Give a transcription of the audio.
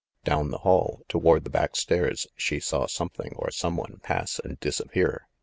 Down the hall, toward the back stairs, she saw something or some one pass and disappear.